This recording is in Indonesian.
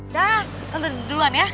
dah tante duluan ya